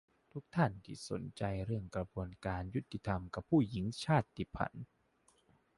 ทุกท่านที่สนใจเรื่องกระบวนการยุติธรรมกับผู้หญิงชาติพันธุ์